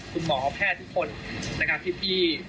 คุณหมอแพทย์ทุกคนนะครับพี่